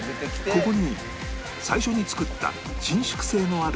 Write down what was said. ここに最初に作った伸縮性のあるゴムを